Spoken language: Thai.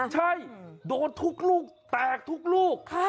ใช่โดนทุกลูกแตกทุกลูก